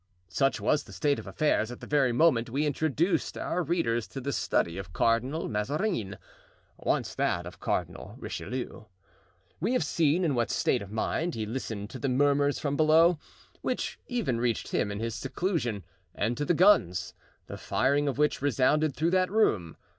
Such was the state of affairs at the very moment we introduced our readers to the study of Cardinal Mazarin—once that of Cardinal Richelieu. We have seen in what state of mind he listened to the murmurs from below, which even reached him in his seclusion, and to the guns, the firing of which resounded through that room.